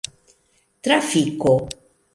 trafiko